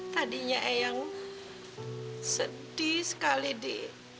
tadinya eang sedih sekali di